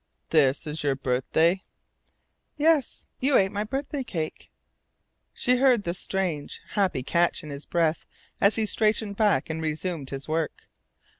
"This is your birthday?" "Yes. You ate my birthday cake." She heard the strange, happy catch in his breath as he straightened back and resumed his work.